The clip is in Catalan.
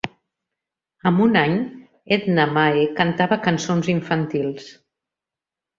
Amb un any, Edna Mae cantava cançons infantils.